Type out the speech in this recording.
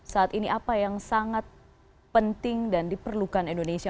saat ini apa yang sangat penting dan diperlukan indonesia